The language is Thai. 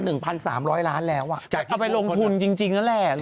เรารวมกันแล้วตอนนี้มันเกิน๑๓๐๐ยิง